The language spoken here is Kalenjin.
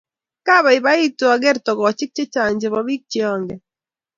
Kaboiboiitu aker tukoch chehcang chebo bik che angen